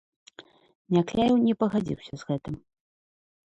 Някляеў не пагадзіўся з гэтым.